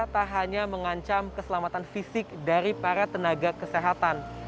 tak hanya mengancam keselamatan fisik dari para tenaga kesehatan